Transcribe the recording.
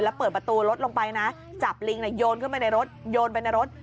แล้วเปิดประตูรถลงไปนะจับลิงโยนขึ้นไปในรถโยนไปในรถ